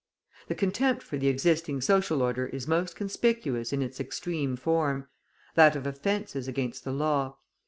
The contempt for the existing social order is most conspicuous in its extreme form that of offences against the law.